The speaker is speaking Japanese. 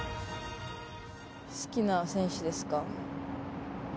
好きな選手ですか。